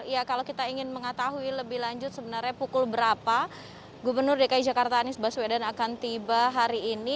ya kalau kita ingin mengetahui lebih lanjut sebenarnya pukul berapa gubernur dki jakarta anies baswedan akan tiba hari ini